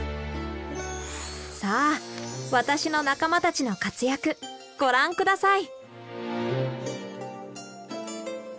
さあ私の仲間たちの活躍ご覧下さい。